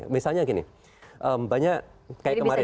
misalnya gini banyak kayak kemarin